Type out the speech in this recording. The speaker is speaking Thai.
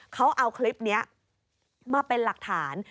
เขาเอาคลิปนี้มาเป็นหลักฐาน